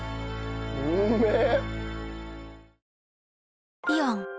うめえ！